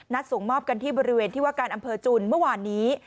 ส่งมอบกันที่บริเวณที่ว่าการอำเภอจุนเมื่อวานนี้